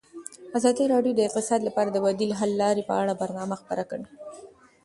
ازادي راډیو د اقتصاد لپاره د بدیل حل لارې په اړه برنامه خپاره کړې.